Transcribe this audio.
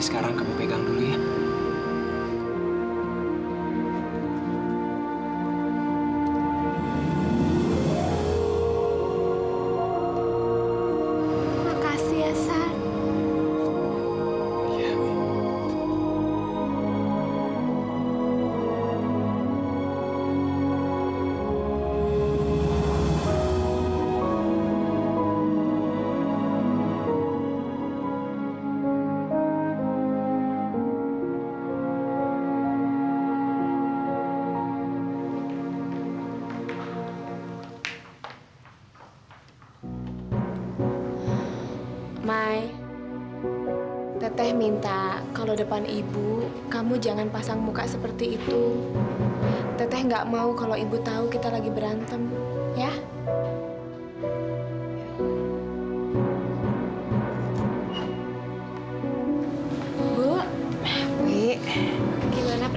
sampai jumpa di video selanjutnya